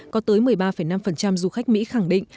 có tới một mươi ba năm du khách mỹ khẳng định